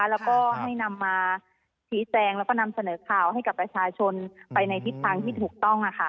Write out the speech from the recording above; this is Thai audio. แล้วก็ให้นำมาชี้แจงแล้วก็นำเสนอข่าวให้กับประชาชนไปในทิศทางที่ถูกต้อง